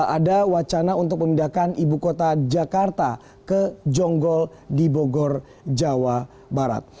ada wacana untuk memindahkan ibu kota jakarta ke jonggol di bogor jawa barat